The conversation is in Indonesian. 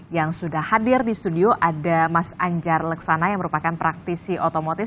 yang sudah hadir di studio ada mas anjar leksana yang merupakan praktisi otomotif